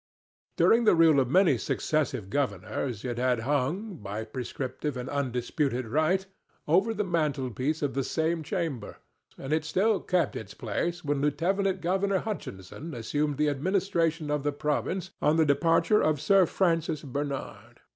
During the rule of many successive governors it had hung, by prescriptive and undisputed right, over the mantel piece of the same chamber, and it still kept its place when Lieutenant governor Hutchinson assumed the administration of the province on the departure of Sir Francis Bernard.